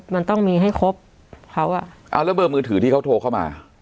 มันต้องมีให้ครบเขาอ่ะเอาแล้วเบอร์มือถือที่เขาโทรเข้ามา